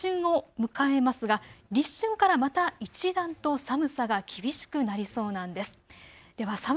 今週は立春を迎えますが立春からまた一段と寒さが厳しくなりそうなんです。